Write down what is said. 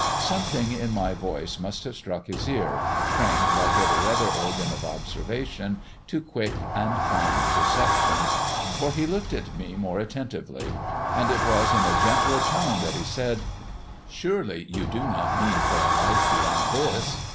Something in my voice must have struck his ear, trained like every other organ of observation to quick and fine perception, for he looked at me more attentively, and it was in a gentler tone that he said "Surely, you do not mean for a life beyond this?